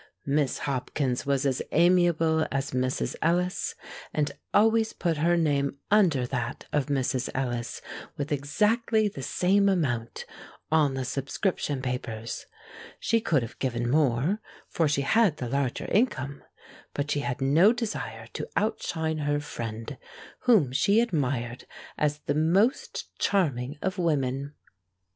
Miss Hopkins was as amiable as Mrs. Ellis, and always put her name under that of Mrs. Ellis, with exactly the same amount, on the subscription papers. She could have given more, for she had the larger income; but she had no desire to outshine her friend, whom she admired as the most charming of women. Mrs.